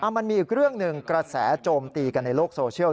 มันมีอีกเรื่องหนึ่งกระแสโจมตีกันในโลกโซเชียล